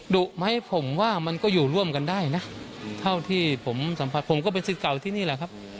ดุไหมผมว่ามันก็อยู่ร่วมกันได้นะเท่าที่ผมสัมผัสผมก็เป็นสิทธิ์เก่าที่นี่แหละครับ